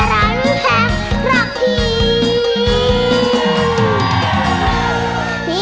แถวตไม่แพงและที่